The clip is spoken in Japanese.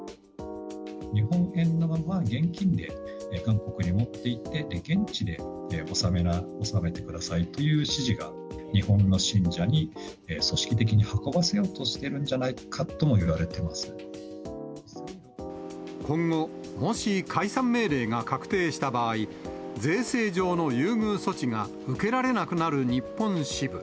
日本円のまま現金で韓国に持っていって、現地で納めてくださいという指示が、日本の信者に組織的に運ばせようとしてるんじゃないかともいわれ今後、もし解散命令が確定した場合、税制上の優遇措置が受けられなくなる日本支部。